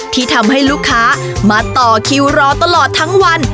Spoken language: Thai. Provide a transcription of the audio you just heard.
ที่ทำให้ลูกค้ามาต่อคิวรอตลอดทั้งวัน